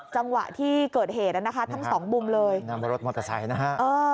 จังหวะที่เกิดเหตุนะคะทั้งสองมุมเลยนั่นรถมอเตอร์ไซค์นะฮะ